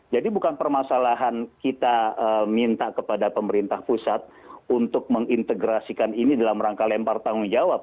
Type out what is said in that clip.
jadi bukan permasalahan kita minta kepada pemerintah pusat untuk mengintegrasikan ini dalam rangka lempar tanggung jawab